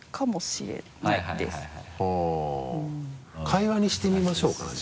会話にしてみましょうかな